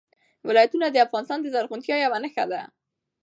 ولایتونه د افغانستان د زرغونتیا یوه نښه ده.